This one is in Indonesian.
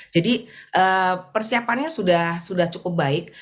jadi persiapannya sudah cukup baik